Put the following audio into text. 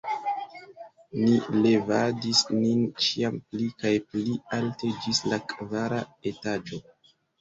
Ni levadis nin ĉiam pli kaj pli alte ĝis la kvara etaĝo.